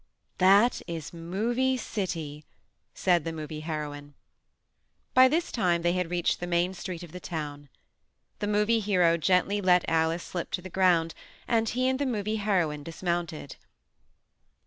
"That is Movie City," said the Movie Heroine. By this time they had reached the main street of the town. The Movie Hero gently let Alice slip to the ground, and he and the Movie Heroine dismounted.